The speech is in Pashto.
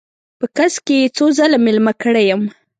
په کڅ کې یې څو ځله میلمه کړی یم.